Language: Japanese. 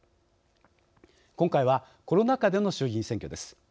今回はコロナ禍での衆議院選挙です。